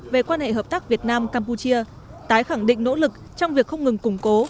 về quan hệ hợp tác việt nam campuchia tái khẳng định nỗ lực trong việc không ngừng củng cố